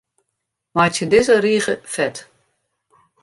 Meitsje dizze rige fet.